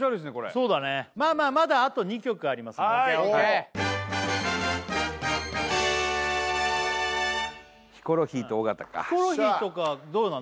そうだねまあまあまだあと２曲ありますんでヒコロヒーと尾形かヒコロヒーとかどうなの？